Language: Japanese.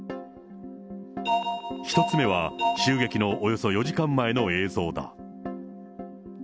１つ目は、襲撃のおよそ４時間前の映像だ。